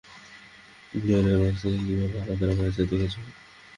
দেয়ালটাকে মেঝে থেকে কীভাবে আলাদা রাখা হয়েছে দেখেছো?